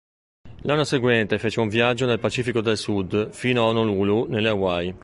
L'anno seguente fece un viaggio nel Pacifico del Sud fino a Honolulu nelle Hawaii.